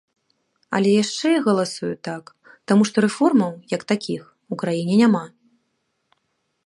Але яшчэ я галасую так, таму што рэформаў, як такіх, у краіне няма.